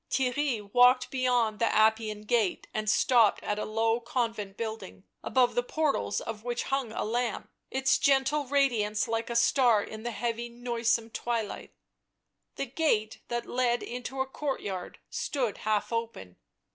Theirry walked beyond the Appian Gate and stopped at a low convent building, above the portals of which hung a lamp, its gentle radiance like a star in the heavy, noisome twilight. The gate, that led into a courtyard, stood half open.